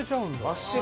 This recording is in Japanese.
真っ白！